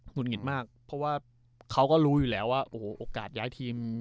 ุดหงิดมากเพราะว่าเขาก็รู้อยู่แล้วว่าโอ้โหโอกาสย้ายทีม